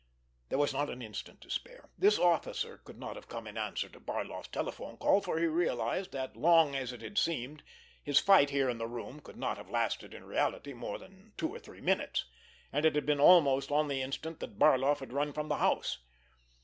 There was not an instant to spare. This officer could not have come in answer to Barloff's telephone call, for he realized that, long as it had seemed, his fight here in the room could not have lasted in reality more than two or three minutes, and it had begun almost on the instant that Barloff had run from the house.